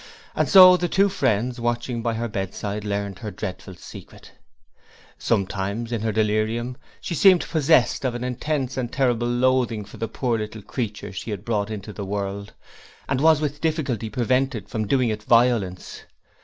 And so the two friends, watching by her bedside, learned her dreadful secret. Sometimes in her delirium she seemed possessed of an intense and terrible loathing for the poor little creature she had brought into the world, and was with difficulty prevented from doing it violence.